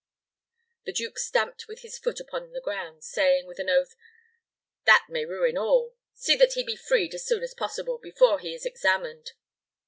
The duke stamped with his foot upon the ground, saying, with an oath, "That may ruin all. See that he be freed as soon as possible, before he is examined."